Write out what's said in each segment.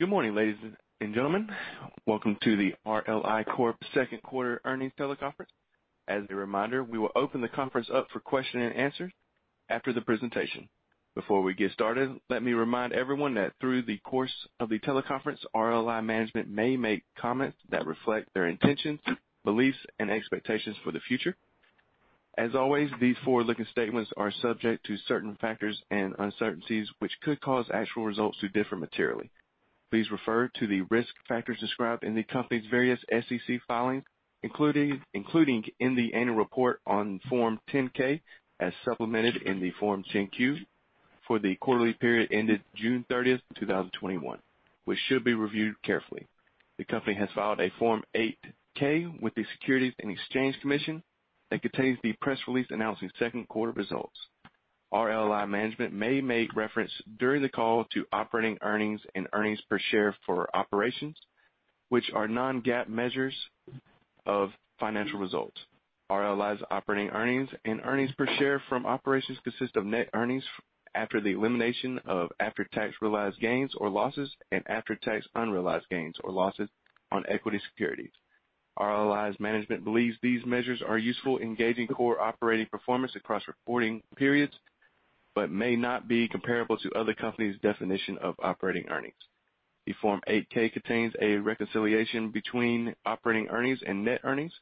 Good morning, ladies and gentlemen. Welcome to the RLI Corp Second Quarter Earnings Teleconference. As a reminder, we will open the conference up for question and answers after the presentation. Before we get started, let me remind everyone that through the course of the teleconference, RLI management may make comments that reflect their intentions, beliefs, and expectations for the future. As always, these forward-looking statements are subject to certain factors and uncertainties, which could cause actual results to differ materially. Please refer to the risk factors described in the company's various SEC filings, including in the annual report on Form 10-K, as supplemented in the Form 10-Q for the quarterly period ended June 30, 2021, which should be reviewed carefully. The company has filed a Form 8-K with the Securities and Exchange Commission that contains the press release announcing second quarter results. RLI management may make reference during the call to operating earnings and earnings per share for operations, which are non-GAAP measures of financial results. RLI's operating earnings and earnings per share from operations consist of net earnings after the elimination of after-tax realized gains or losses and after-tax unrealized gains or losses on equity securities. RLI's management believes these measures are useful in gauging core operating performance across reporting periods but may not be comparable to other companies' definition of operating earnings. The Form 8-K contains a reconciliation between operating earnings and net earnings.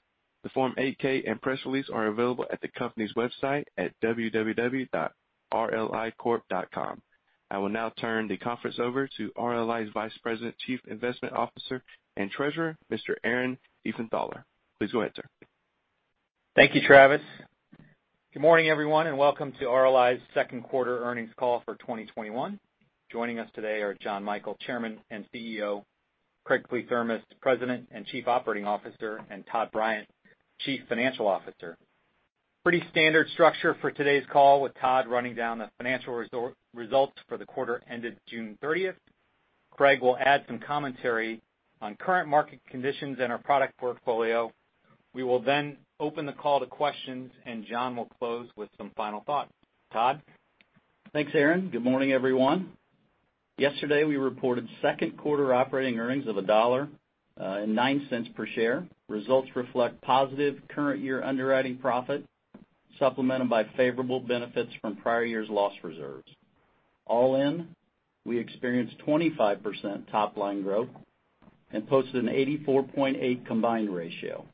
The Form 8-K and press release are available at the company's website at www.rlicorp.com. I will now turn the conference over to RLI's Vice President, Chief Investment Officer, and Treasurer, Mr. Aaron Diefenthaler. Please go ahead, sir. Thank you, Travis. Good morning, everyone, and welcome to RLI's second quarter earnings call for 2021. Joining us today are Jonathan Michael, Chairman and CEO; Craig Kliethermes, President and Chief Operating Officer; and Todd Bryant, Chief Financial Officer. Pretty standard structure for today's call, with Todd running down the financial results for the quarter ended June 30th. Craig will add some commentary on current market conditions and our product portfolio. We will then open the call to questions, and John will close with some final thoughts. Todd? Thanks, Aaron. Good morning, everyone. Yesterday, we reported second quarter operating earnings of $1.09 per share. Results reflect positive current year underwriting profit, supplemented by favorable benefits from prior years' loss reserves. All in, we experienced 25% top-line growth and posted an 84.8% combined ratio.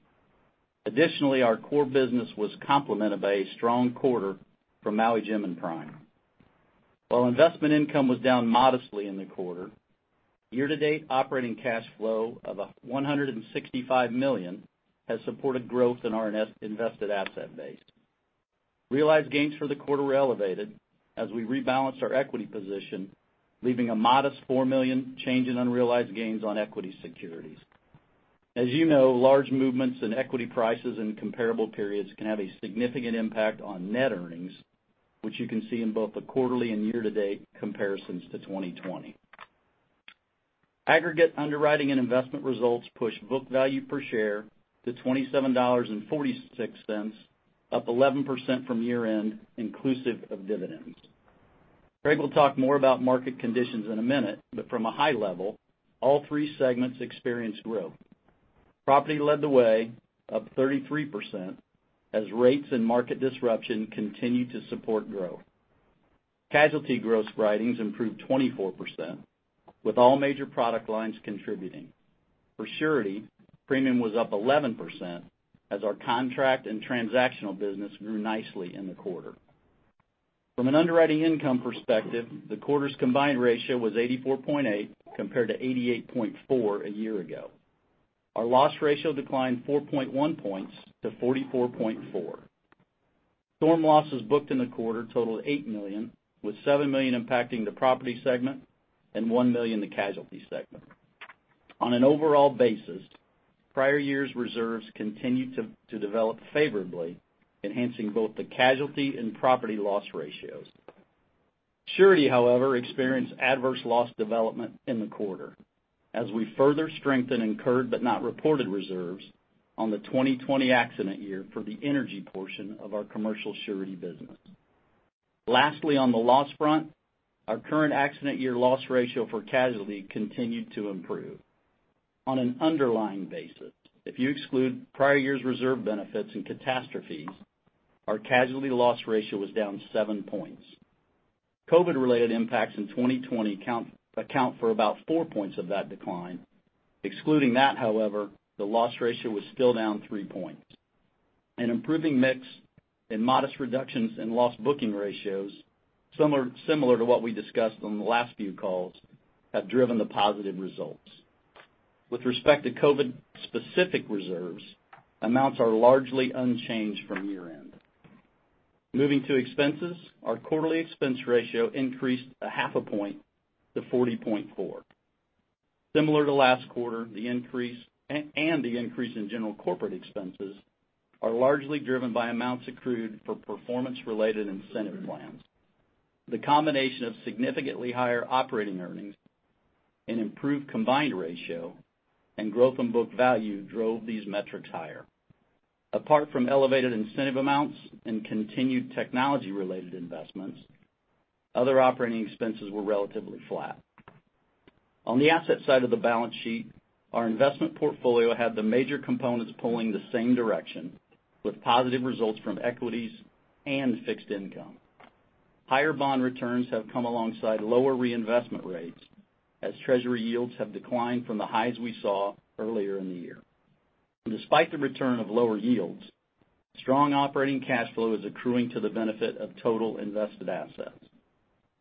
Additionally, our core business was complemented by a strong quarter from Maui Jim and Prime. While investment income was down modestly in the quarter, year-to-date operating cash flow of $165 million has supported growth in our invested asset base. Realized gains for the quarter were elevated as we rebalanced our equity position, leaving a modest $4 million change in unrealized gains on equity securities. As you know, large movements in equity prices in comparable periods can have a significant impact on net earnings, which you can see in both the quarterly and year-to-date comparisons to 2020. Aggregate underwriting and investment results pushed book value per share to $27.46, up 11% from year-end, inclusive of dividends. Craig will talk more about market conditions in a minute, but from a high level, all three segments experienced growth. Property led the way, up 33%, as rates and market disruption continued to support growth. Casualty gross writings improved 24%, with all major product lines contributing. For surety, premium was up 11% as our contract and transactional business grew nicely in the quarter. From an underwriting income perspective, the quarter's combined ratio was 84.8, compared to 88.4 a year ago. Our loss ratio declined 4.1 points to 44.4. Storm losses booked in the quarter totaled $8 million, with $7 million impacting the property segment and $1 million the casualty segment. On an overall basis, prior years' reserves continued to develop favorably, enhancing both the casualty and property loss ratios. Surety, however, experienced adverse loss development in the quarter as we further strengthened incurred, but not reported reserves on the 2020 accident year for the energy portion of our commercial surety business. Lastly, on the loss front, our current accident year loss ratio for casualty continued to improve. On an underlying basis, if you exclude prior years' reserve benefits and catastrophes, our casualty loss ratio was down seven points. COVID-related impacts in 2020 account for about four points of that decline. Excluding that, however, the loss ratio was still down three points. An improving mix and modest reductions in loss booking ratios, similar to what we discussed on the last few calls, have driven the positive results. With respect to COVID-specific reserves, amounts are largely unchanged from year end. Moving to expenses, our quarterly expense ratio increased a half a point to 40.4. Similar to last quarter, the increase in general corporate expenses are largely driven by amounts accrued for performance-related incentive plans. The combination of significantly higher operating earnings and improved combined ratio and growth in book value drove these metrics higher. Apart from elevated incentive amounts and continued technology-related investments, other operating expenses were relatively flat. On the asset side of the balance sheet, our investment portfolio had the major components pulling the same direction, with positive results from equities and fixed income. Higher bond returns have come alongside lower reinvestment rates as Treasury yields have declined from the highs we saw earlier in the year. Despite the return of lower yields, strong operating cash flow is accruing to the benefit of total invested assets.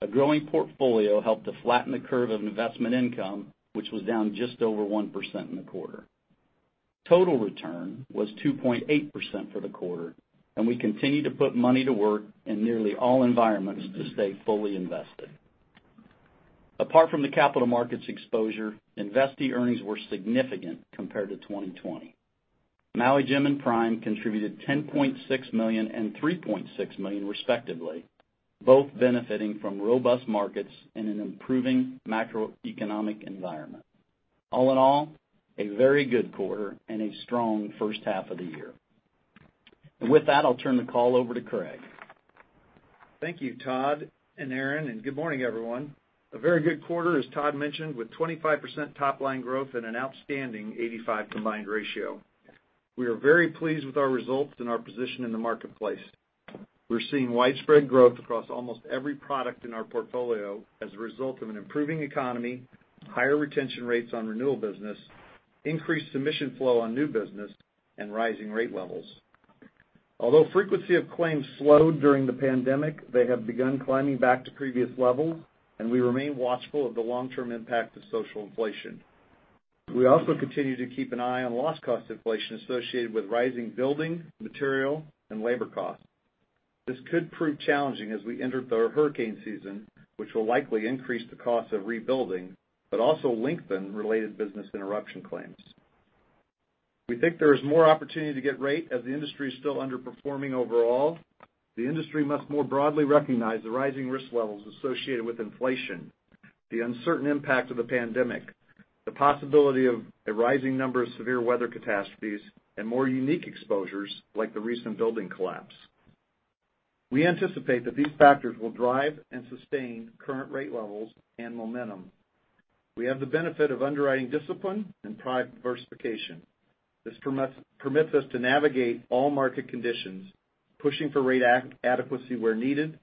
A growing portfolio helped to flatten the curve of investment income, which was down just over 1% in the quarter. Total return was 2.8% for the quarter, and we continue to put money to work in nearly all environments to stay fully invested. Apart from the capital markets exposure, investee earnings were significant compared to 2020. Maui Jim and Prime contributed $10.6 million and $3.6 million respectively, both benefiting from robust markets and an improving macroeconomic environment. All in all, a very good quarter and a strong first half of the year. With that, I'll turn the call over to Craig. Thank you, Todd and Aaron, and good morning, everyone. A very good quarter, as Todd mentioned, with 25% top-line growth and an outstanding 85 combined ratio. We are very pleased with our results and our position in the marketplace. We're seeing widespread growth across almost every product in our portfolio as a result of an improving economy, higher retention rates on renewal business, increased submission flow on new business, and rising rate levels. Although frequency of claims slowed during the pandemic, they have begun climbing back to previous levels, and we remain watchful of the long-term impact of social inflation. We also continue to keep an eye on loss cost inflation associated with rising building, material, and labor costs. This could prove challenging as we enter the hurricane season, which will likely increase the cost of rebuilding, but also lengthen related business interruption claims. We think there is more opportunity to get rate as the industry is still underperforming overall. The industry must more broadly recognize the rising risk levels associated with inflation, the uncertain impact of the pandemic, the possibility of a rising number of severe weather catastrophes, and more unique exposures, like the recent building collapse. We anticipate that these factors will drive and sustain current rate levels and momentum. We have the benefit of underwriting discipline and pride diversification. This permits us to navigate all market conditions, pushing for rate adequacy where needed,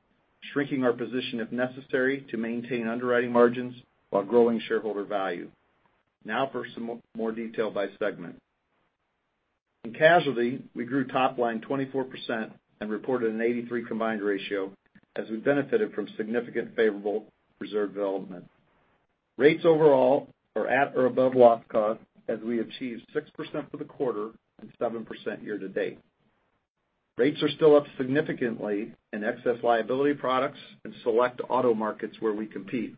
shrinking our position if necessary to maintain underwriting margins while growing shareholder value. For some more detail by segment. In casualty, we grew top line 24% and reported an 83 combined ratio as we benefited from significant favorable reserve development. Rates overall are at or above loss cost, as we achieved 6% for the quarter and 7% year to date. Rates are still up significantly in excess liability products and select auto markets where we compete.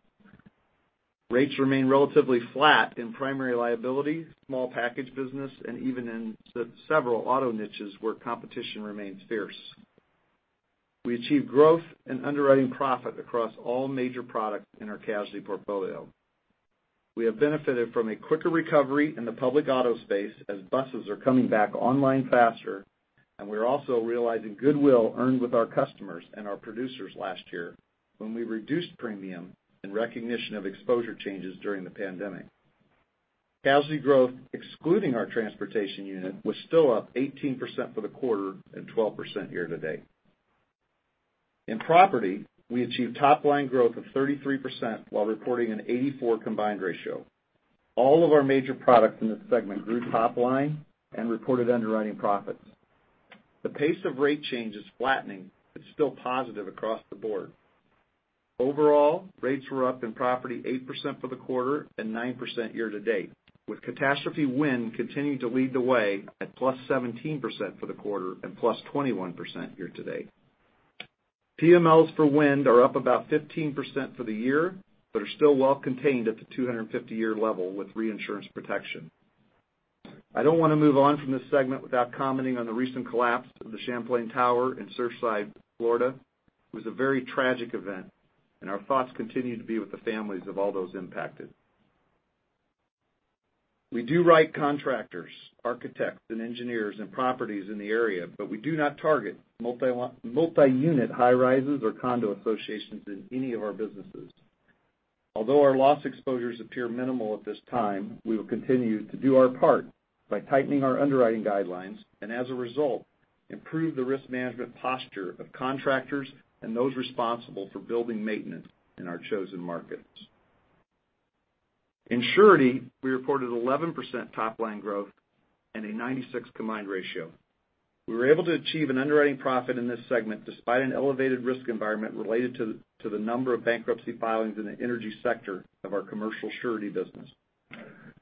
Rates remain relatively flat in primary liability, small package business, and even in several auto niches where competition remains fierce. We achieved growth and underwriting profit across all major products in our casualty portfolio. We have benefited from a quicker recovery in the public auto space as buses are coming back online faster, and we're also realizing goodwill earned with our customers and our producers last year when we reduced premium in recognition of exposure changes during the pandemic. Casualty growth, excluding our transportation unit, was still up 18% for the quarter and 12% year to date. In property, we achieved top-line growth of 33% while reporting an 84 combined ratio. All of our major products in this segment grew top line and reported underwriting profits. The pace of rate change is flattening, but still positive across the board. Overall, rates were up in property 8% for the quarter and 9% year-to-date, with catastrophe wind continuing to lead the way at +17% for the quarter and +21% year-to-date. PMLs for wind are up about 15% for the year, but are still well contained at the 250-year level with reinsurance protection. I don't want to move on from this segment without commenting on the recent collapse of the Champlain Tower in Surfside, Florida. It was a very tragic event, and our thoughts continue to be with the families of all those impacted. We do write contractors, architects, and engineers, and properties in the area, but we do not target multi-unit high-rises or condo associations in any of our businesses. Although our loss exposures appear minimal at this time, we will continue to do our part by tightening our underwriting guidelines, and as a result, improve the risk management posture of contractors and those responsible for building maintenance in our chosen markets. In surety, we reported 11% top-line growth and a 96 combined ratio. We were able to achieve an underwriting profit in this segment despite an elevated risk environment related to the number of bankruptcy filings in the energy sector of our commercial surety business.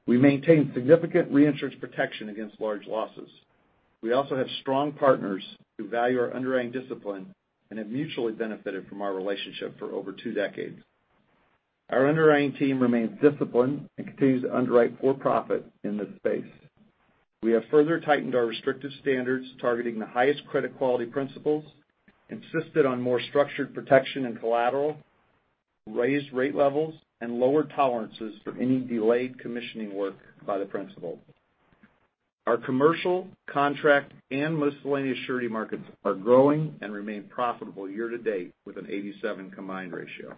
We maintain significant reinsurance protection against large losses. We also have strong partners who value our underwriting discipline and have mutually benefited from our relationship for over two decades. Our underwriting team remains disciplined and continues to underwrite for profit in this space. We have further tightened our restrictive standards targeting the highest credit quality principles, insisted on more structured protection and collateral. Raised rate levels and lower tolerances for any delayed commissioning work by the principal. Our commercial, contract, and miscellaneous surety markets are growing and remain profitable year to date with an 87 combined ratio.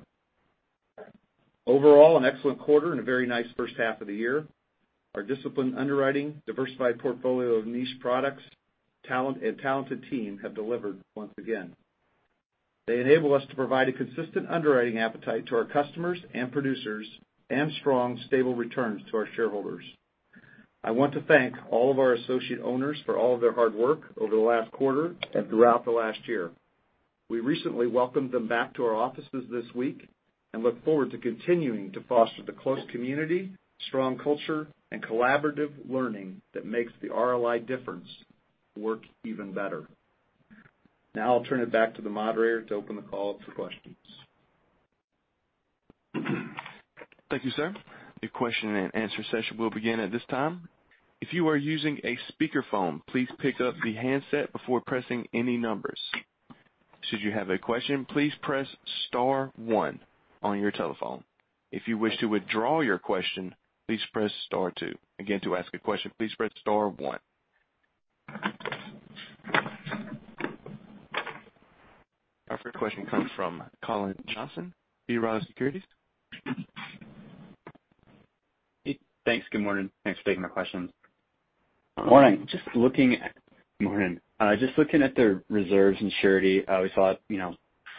Overall, an excellent quarter and a very nice first half of the year. Our disciplined underwriting, diversified portfolio of niche products, and talented team have delivered once again. They enable us to provide a consistent underwriting appetite to our customers and producers and strong, stable returns to our shareholders. I want to thank all of our associate owners for all of their hard work over the last quarter and throughout the last year. We recently welcomed them back to our offices this week and look forward to continuing to foster the close community, strong culture, and collaborative learning that makes the RLI difference work even better. Now I'll turn it back to the moderator to open the call up for questions. Thank you, sir. Your question and answer session will begin at this time. If you are using a speakerphone, please pick up the handset before pressing any numbers. Should you have a question, please press star one on your telephone. If you wish to withdraw your question, please press star two. Again, to ask a question, please press star one. Our first question comes from Cullen Johnson, B. Riley Securities. Hey, thanks. Good morning. Thanks for taking my questions. Morning. Just looking at the reserves and surety, we saw it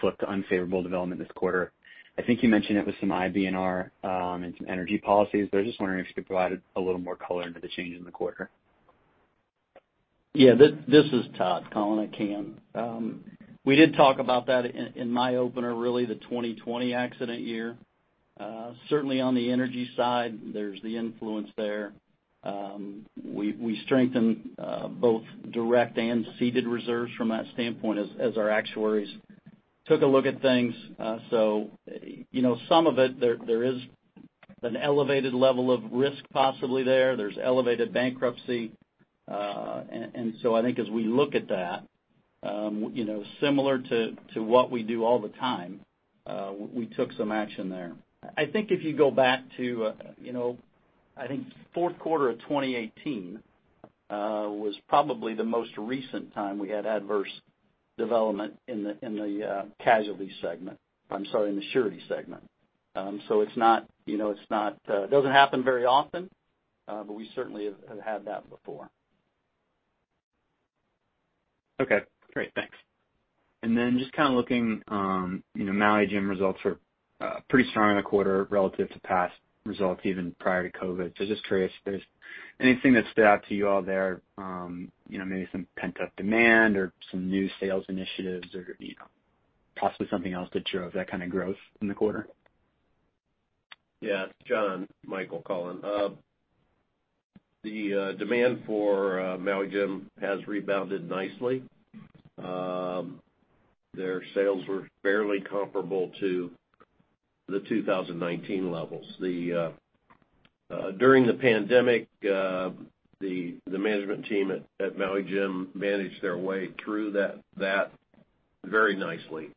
flip to unfavorable development this quarter. I think you mentioned it was some IBNR and some energy policies, I was just wondering if you could provide a little more color into the change in the quarter. Yeah. This is Todd, Cullen, at CAM. We did talk about that in my opener, really the 2020 accident year. Certainly, on the energy side, there's the influence there. We strengthened both direct and ceded reserves from that standpoint as our actuaries took a look at things. Some of it, there is an elevated level of risk possibly there. There's elevated bankruptcy. I think as we look at that, similar to what we do all the time, we took some action there. I think if you go back to, I think fourth quarter of 2018 was probably the most recent time we had adverse development in the casualty segment. I'm sorry, in the surety segment. It doesn't happen very often, but we certainly have had that before. Okay, great. Thanks. Then just looking, Maui Jim results were pretty strong in the quarter relative to past results even prior to COVID. Just curious if there's anything that stood out to you all there, maybe some pent-up demand or some new sales initiatives or possibly something else that drove that kind of growth in the quarter? Yeah. Jonathan Michael calling. The demand for Maui Jim has rebounded nicely. Their sales were fairly comparable to the 2019 levels. During the pandemic, the management team at Maui Jim managed their way through that very nicely.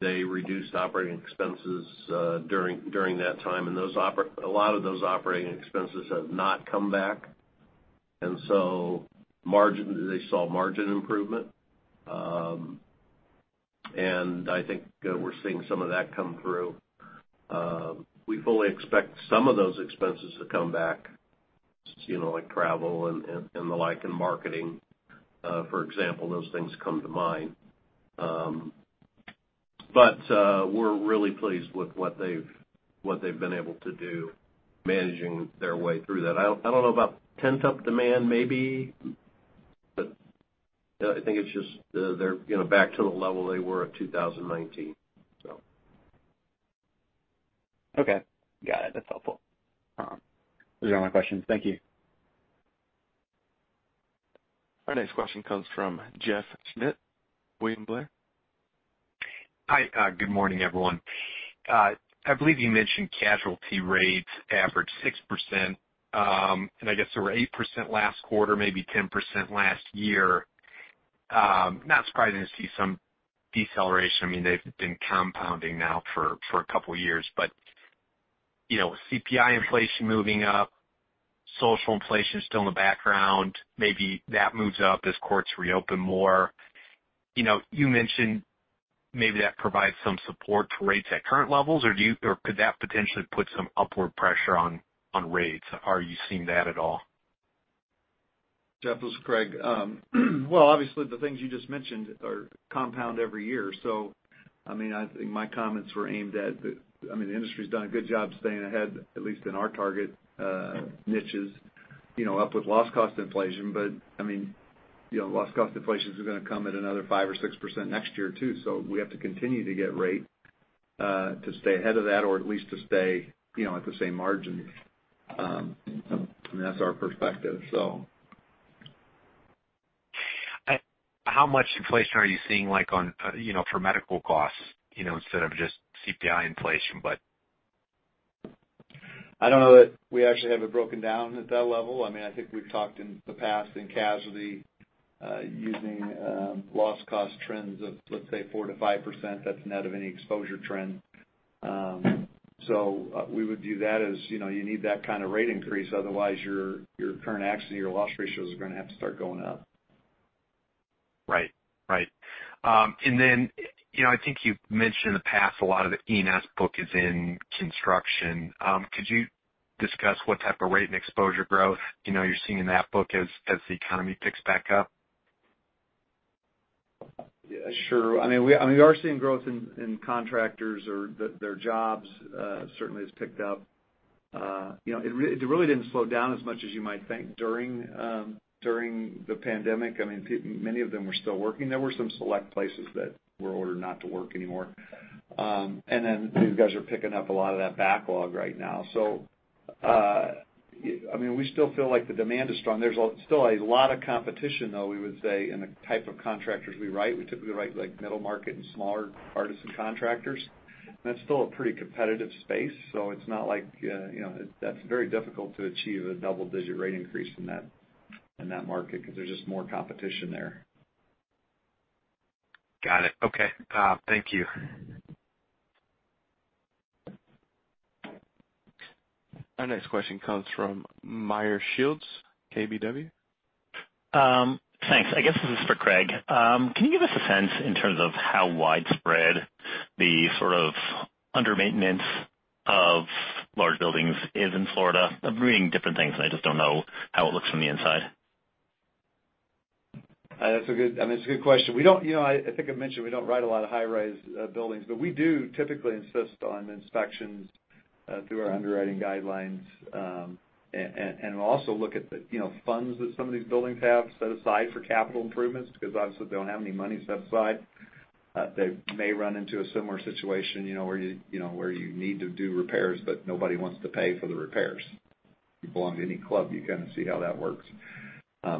They reduced operating expenses during that time, and a lot of those operating expenses have not come back. They saw margin improvement. I think we're seeing some of that come through. We fully expect some of those expenses to come back, like travel and the like, and marketing, for example. Those things come to mind. We're really pleased with what they've been able to do managing their way through that. I don't know about pent-up demand, maybe. I think it's just they're back to the level they were at 2019. Okay. Got it. That's helpful. Those are all my questions. Thank you. Our next question comes from Jeff Schmitt, William Blair. Hi, good morning, everyone. I believe you mentioned casualty rates averaged 6%, and I guess they were 8% last quarter, maybe 10% last year. Not surprised to see some deceleration. They've been compounding now for a couple of years. With CPI inflation moving up, social inflation still in the background, maybe that moves up as courts reopen more. You mentioned maybe that provides some support to rates at current levels, or could that potentially put some upward pressure on rates? Are you seeing that at all? Jeff, this is Craig. Well, obviously the things you just mentioned compound every year, so I think my comments were aimed at, the industry's done a good job staying ahead, at least in our target niches, up with loss cost inflation. Loss cost inflation is going to come at another 5% or 6% next year, too. We have to continue to get rate to stay ahead of that or at least to stay at the same margins. That's our perspective. How much inflation are you seeing for medical costs instead of just CPI inflation? I don't know that we actually have it broken down at that level. I think we've talked in the past in casualty, using loss cost trends of, let's say, 4%-5%. That's net of any exposure trend. We would view that as, you need that kind of rate increase, otherwise your current accident, your loss ratios are going to have to start going up. Right. I think you've mentioned in the past a lot of the E&S book is in construction. Could you discuss what type of rate and exposure growth you're seeing in that book as the economy picks back up? Sure. We are seeing growth in contractors or their jobs certainly has picked up. It really didn't slow down as much as you might think during the pandemic. Many of them were still working. There were some select places that were ordered not to work anymore. Then these guys are picking up a lot of that backlog right now. We still feel like the demand is strong. There's still a lot of competition, though, we would say, in the type of contractors we write. We typically write middle market and smaller artisan contractors, and that's still a pretty competitive space. That's very difficult to achieve a double-digit rate increase in that market, because there's just more competition there. Got it. Okay. Thank you. Our next question comes from Meyer Shields, KBW. Thanks. I guess this is for Craig. Can you give us a sense in terms of how widespread the sort of under-maintenance of large buildings is in Florida? I've been reading different things, and I just don't know how it looks from the inside. That's a good question. I think I mentioned we don't write a lot of high-rise buildings, but we do typically insist on inspections through our underwriting guidelines. We'll also look at the funds that some of these buildings have set aside for capital improvements, because obviously if they don't have any money set aside, they may run into a similar situation, where you need to do repairs, but nobody wants to pay for the repairs. If you belong to any club, you kind of see how that works.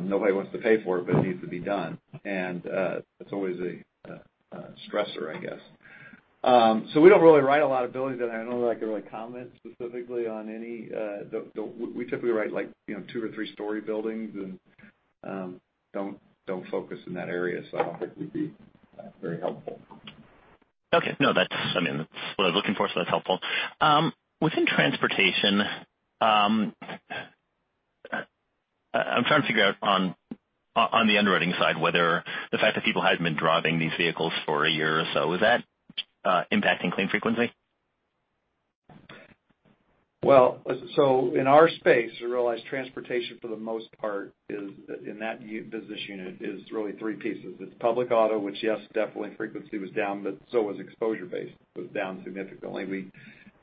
Nobody wants to pay for it, but it needs to be done. That's always a stressor, I guess. We don't really write a lot of buildings, and I don't know that I can really comment specifically on any. We typically write two or three story buildings, and don't focus in that area, so I don't think we'd be very helpful. Okay. No, that's what I was looking for, so that's helpful. Within transportation, I'm trying to figure out on the underwriting side, whether the fact that people hadn't been driving these vehicles for a year or so, is that impacting claim frequency? Well, in our space, you realize transportation for the most part in that business unit is really three pieces. It's public auto, which, yes, definitely frequency was down, but so was exposure base, was down significantly.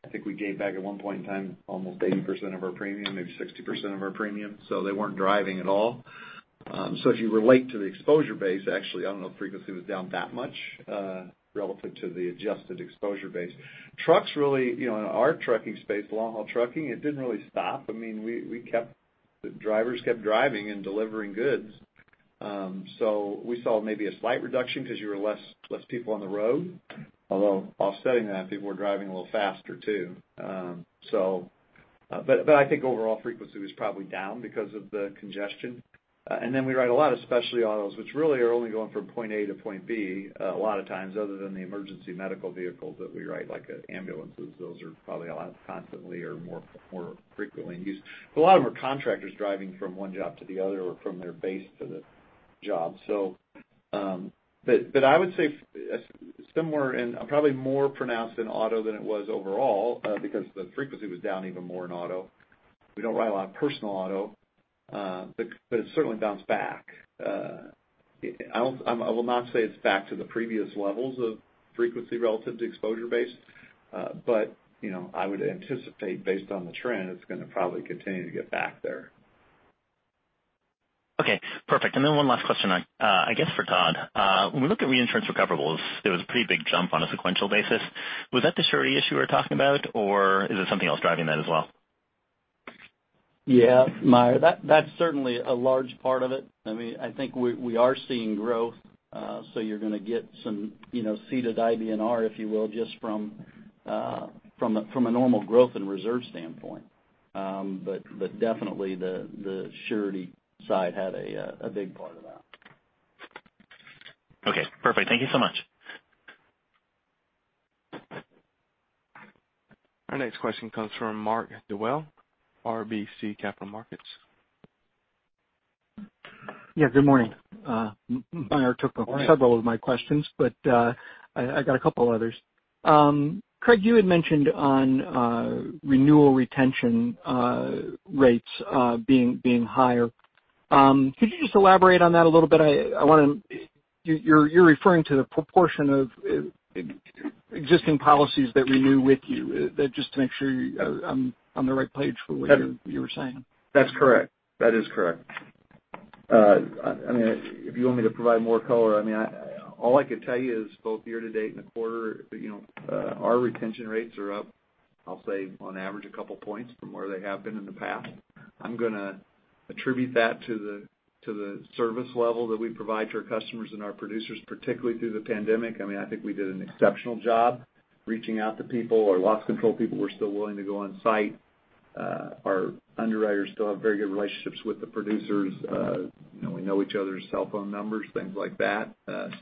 I think we gave back at one point in time, almost 80% of our premium, maybe 60% of our premium. They weren't driving at all. If you relate to the exposure base, actually, I don't know if frequency was down that much, relative to the adjusted exposure base. Trucks really, in our trucking space, long-haul trucking, it didn't really stop. The drivers kept driving and delivering goods. We saw maybe a slight reduction because you were less people on the road. Although offsetting that, people were driving a little faster, too. I think overall frequency was probably down because of the congestion. We write a lot of specialty autos, which really are only going from point A to point B a lot of times, other than the emergency medical vehicles that we write, like ambulances. Those are probably a lot constantly or more frequently used. A lot of them are contractors driving from one job to the other or from their base to the job. I would say similar and probably more pronounced in auto than it was overall, because the frequency was down even more in auto. We don't write a lot of personal auto. It's certainly bounced back. I will not say it's back to the previous levels of frequency relative to exposure base. I would anticipate based on the trend, it's going to probably continue to get back there. Okay. Perfect. One last question, I guess for Todd. When we looked at reinsurance recoverables, there was a pretty big jump on a sequential basis. Was that the surety issue we're talking about, or is it something else driving that as well? Yeah, Meyer, that's certainly a large part of it. I think we are seeing growth, you're going to get some ceded IBNR, if you will, just from a normal growth and reserve standpoint. Definitely the surety side had a big part of that. Okay, perfect. Thank you so much. Our next question comes from Mark Dwelle, RBC Capital Markets. Yeah, good morning. Good morning. Meyer took several of my questions. I got a couple others. Craig, you had mentioned on renewal retention rates being higher. Could you just elaborate on that a little bit? You're referring to the proportion of existing policies that renew with you. Just to make sure I'm on the right page for what you were saying. That's correct. That is correct. If you want me to provide more color, all I could tell you is both year to date and the quarter, our retention rates are up, I'll say on average, a couple points from where they have been in the past. I'm going to attribute that to the service level that we provide to our customers and our producers, particularly through the pandemic. I think we did an exceptional job reaching out to people. Our loss control people were still willing to go on site. Our underwriters still have very good relationships with the producers. We know each other's cell phone numbers, things like that.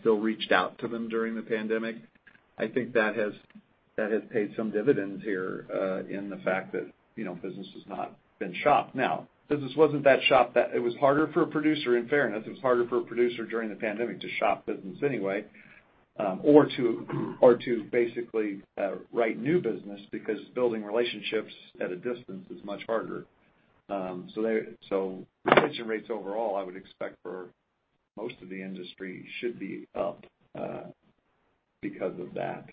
Still reached out to them during the pandemic. I think that has paid some dividends here in the fact that business has not been shopped. Business wasn't that shopped that it was harder for a producer, in fairness, it was harder for a producer during the pandemic to shop business anyway, or to basically write new business because building relationships at a distance is much harder. Retention rates overall, I would expect for most of the industry should be up because of that.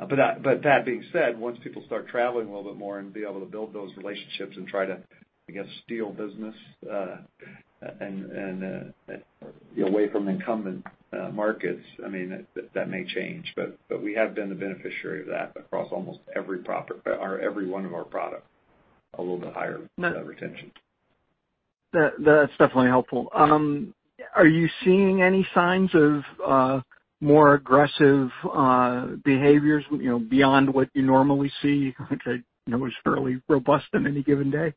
That being said, once people start traveling a little bit more and be able to build those relationships and try to, I guess, steal business away from incumbent markets, that may change. We have been the beneficiary of that across almost every one of our products, a little bit higher retention. That's definitely helpful. Are you seeing any signs of more aggressive behaviors, beyond what you normally see, which I know is fairly robust on any given day?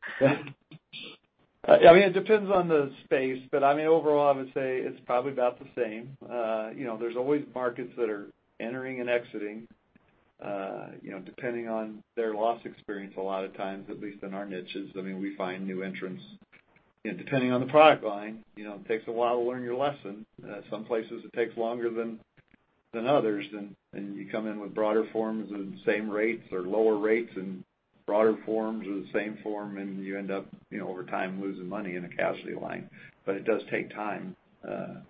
It depends on the space. Overall, I would say it's probably about the same. There's always markets that are entering and exiting, depending on their loss experience a lot of times, at least in our niches. We find new entrants. Depending on the product line, it takes a while to learn your lesson. Some places it takes longer than others, you come in with broader forms and same rates or lower rates and broader forms or the same form, and you end up, over time, losing money in a casualty line. It does take time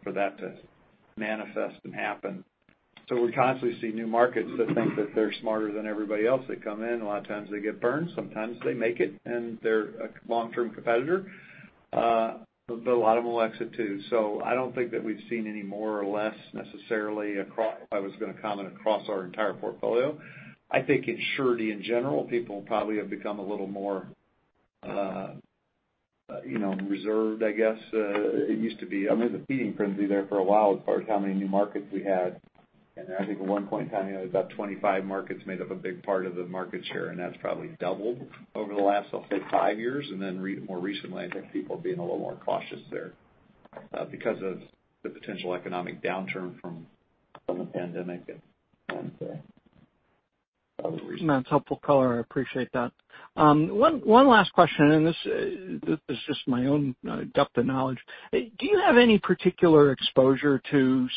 for that to manifest and happen. We constantly see new markets that think that they're smarter than everybody else. They come in, a lot of times they get burned. Sometimes they make it, and they're a long-term competitor. A lot of them will exit, too. I don't think that we've seen any more or less necessarily, if I was going to comment across our entire portfolio. I think in surety in general, people probably have become a little more reserved, I guess. It used to be, there was a feeding frenzy there for a while as far as how many new markets we had, and I think at one point in time, about 25 markets made up a big part of the market share, and that's probably doubled over the last, I'll say, five years. Then more recently, I think people are being a little more cautious there because of the potential economic downturn from the pandemic and other reasons. That's helpful color. I appreciate that. One last question, and this is just my own depth of knowledge. Do you have any particular exposure to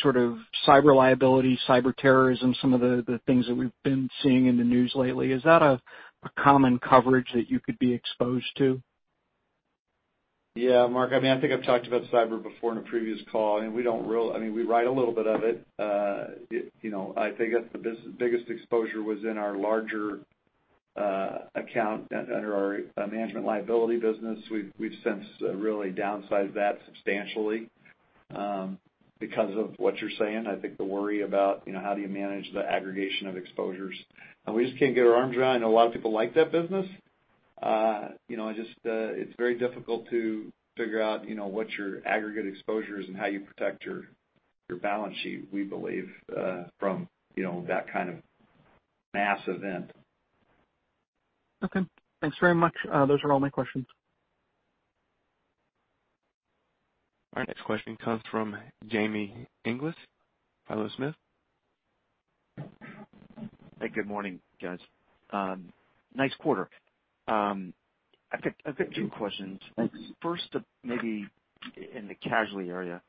cyber liability, cyber terrorism, some of the things that we've been seeing in the news lately? Is that a common coverage that you could be exposed to? Mark. I think I've talked about cyber before in a previous call. We write a little bit of it. I think the biggest exposure was in our larger account under our management liability business. We've since really downsized that substantially because of what you're saying. I think the worry about how do you manage the aggregation of exposures. We just can't get our arms around it. I know a lot of people like that business. It's very difficult to figure out what your aggregate exposure is and how you protect your balance sheet, we believe, from that kind of mass event. Okay. Thanks very much. Those are all my questions. Our next question comes from Jamie Inglis, BMO Capital Markets. Hey, good morning, guys. Nice quarter. I've got two questions. Thanks. First, maybe in the casualty area.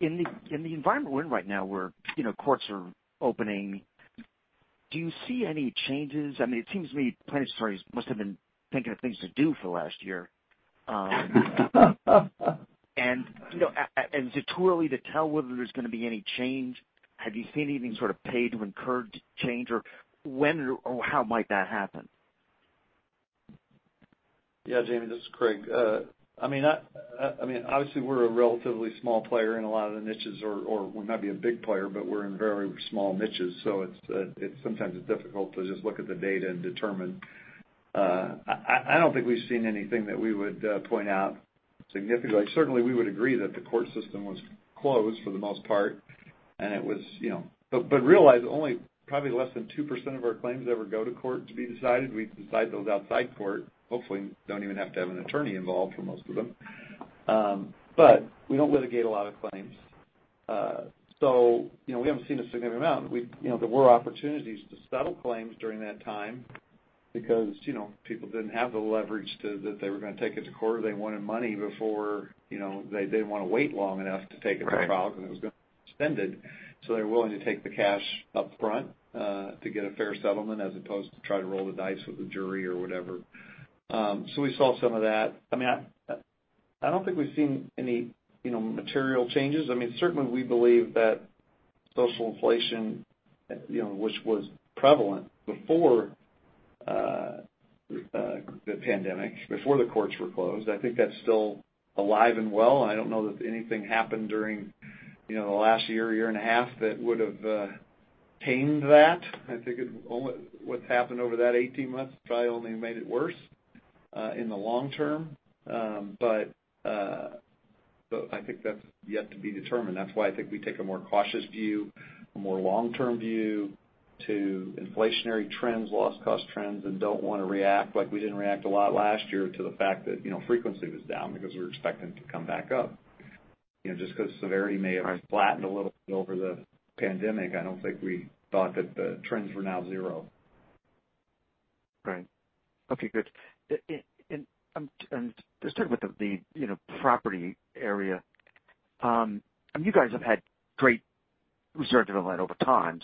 In the environment we're in right now where courts are opening, do you see any changes? It seems to me plaintiffs' attorneys must have been thinking of things to do for the last year. Is it too early to tell whether there's going to be any change? Have you seen anything paid when incurred change, or when or how might that happen? Jamie, this is Craig. We're a relatively small player in a lot of the niches, or we might be a big player, but we're in very small niches, so sometimes it's difficult to just look at the data and determine. I don't think we've seen anything that we would point out significantly. We would agree that the court system was closed for the most part. Realize only probably less than 2% of our claims ever go to court to be decided. We decide those outside court. Hopefully, don't even have to have an attorney involved for most of them. We don't litigate a lot of claims. We haven't seen a significant amount. There were opportunities to settle claims during that time because people didn't have the leverage that they were going to take it to court, or they didn't want to wait long enough to take it to trial because it was going to be extended. They were willing to take the cash up front to get a fair settlement as opposed to try to roll the dice with the jury or whatever. We saw some of that. I don't think we've seen any material changes. Certainly, we believe that social inflation, which was prevalent before the pandemic, before the courts were closed, I think that's still alive and well. I don't know that anything happened during the last year and a half that would've tamed that. I think what's happened over that 18 months probably only made it worse in the long term. I think that's yet to be determined. That's why I think we take a more cautious view, a more long-term view to inflationary trends, loss cost trends, and don't want to react. Like we didn't react a lot last year to the fact that frequency was down because we were expecting it to come back up. Just because severity may have flattened a little bit over the pandemic, I don't think we thought that the trends were now 0. Right. Okay, good. To start with the property area, you guys have had great reserve development over time,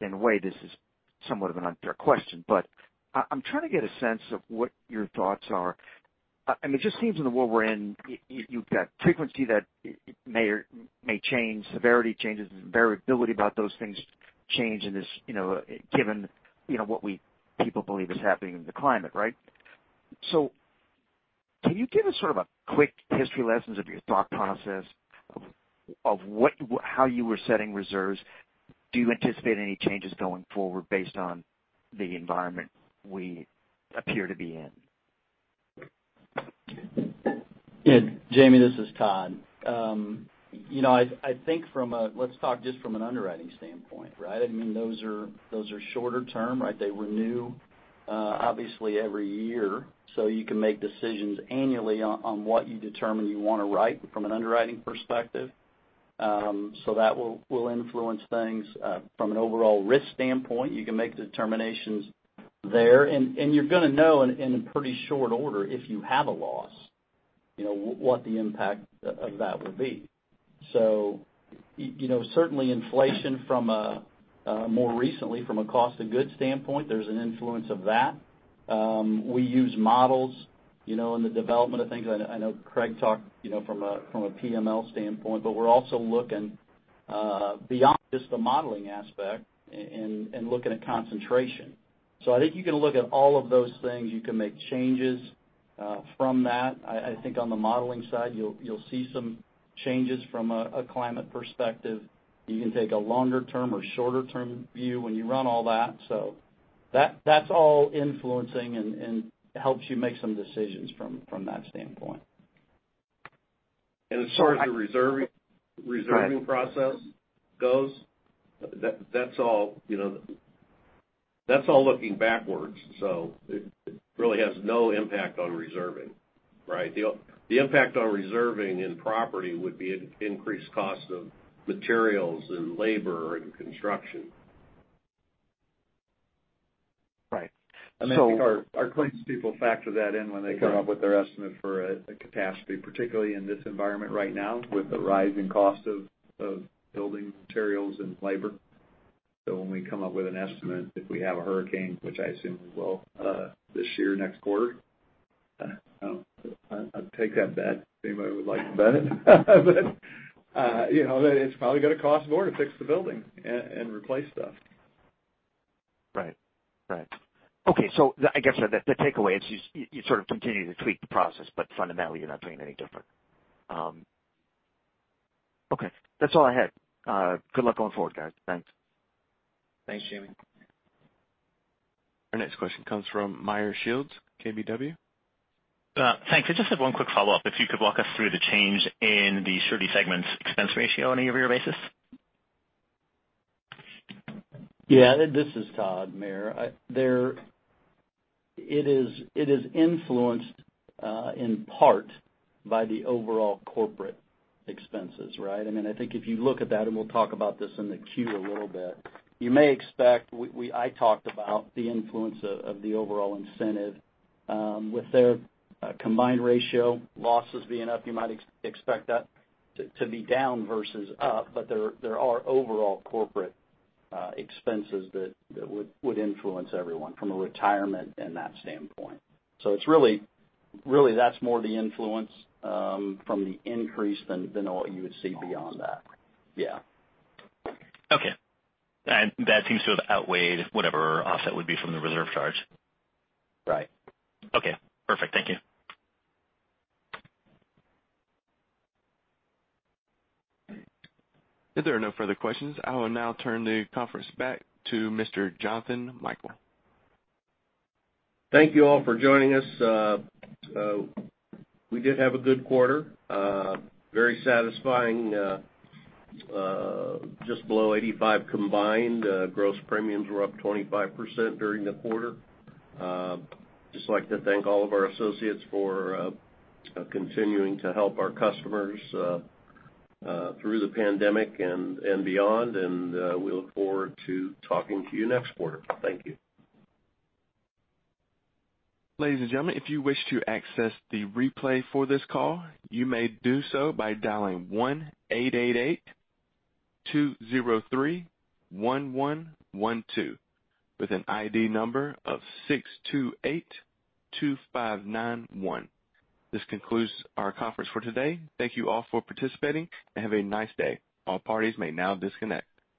in a way, this is somewhat of an unfair question. I'm trying to get a sense of what your thoughts are. It just seems in the world we're in, you've got frequency that may change, severity changes, and variability about those things change in this, given what we, people believe is happening in the climate, right? Can you give us sort of a quick history lessons of your thought process of how you were setting reserves? Do you anticipate any changes going forward based on the environment we appear to be in? Jamie, this is Todd. Let's talk just from an underwriting standpoint, right? Those are shorter term, right? They renew, obviously, every year. You can make decisions annually on what you determine you want to write from an underwriting perspective. That will influence things. From an overall risk standpoint, you can make determinations there. You're going to know in a pretty short order if you have a loss, what the impact of that would be. Certainly inflation more recently from a cost of goods standpoint, there's an influence of that. We use models in the development of things. I know Craig talked from a PML standpoint. We're also looking beyond just the modeling aspect and looking at concentration. I think you can look at all of those things. You can make changes from that. I think on the modeling side, you'll see some changes from a climate perspective. You can take a longer-term or shorter-term view when you run all that. That's all influencing and helps you make some decisions from that standpoint. As far as the reserving process goes, that's all looking backwards. It really has no impact on reserving, right? The impact on reserving in property would be an increased cost of materials and labor and construction. Right. I think our claims people factor that in when they come up with their estimate for a capacity, particularly in this environment right now with the rising cost of building materials and labor. When we come up with an estimate, if we have a hurricane, which I assume we will this year, next quarter, I'd take that bet. Anybody would like to bet it? It's probably going to cost more to fix the building and replace stuff. Right. Okay. I guess the takeaway is you sort of continue to tweak the process, but fundamentally, you're not doing any different. Okay. That's all I had. Good luck going forward, guys. Thanks. Thanks, Jamie. Our next question comes from Meyer Shields, KBW. Thanks. I just have one quick follow-up. If you could walk us through the change in the surety segment's expense ratio on a year-over-year basis. Yeah. This is Todd, Meyer. It is influenced in part by the overall corporate expenses, right? I think if you look at that, and we'll talk about this in the Q a little bit, you may expect, I talked about the influence of the overall incentive with their combined ratio losses being up, you might expect that to be down versus up. There are overall corporate expenses that would influence everyone from a retirement and that standpoint. Really that's more the influence from the increase than what you would see beyond that. Yeah. Okay. That seems to have outweighed whatever offset would be from the reserve charge. Right. Okay, perfect. Thank you. If there are no further questions, I will now turn the conference back to Mr. Jonathan Michael. Thank you all for joining us. We did have a good quarter. Very satisfying. Just below 85 combined. Gross premiums were up 25% during the quarter. Just like to thank all of our associates for continuing to help our customers through the pandemic and beyond. We look forward to talking to you next quarter. Thank you. This concludes our conference for today. Thank you all for participating, and have a nice day. All parties may now disconnect.